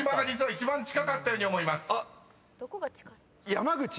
「山口」？